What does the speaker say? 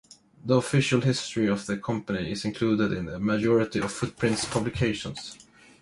The official history of the company, is included in the majority of Footprint's publications.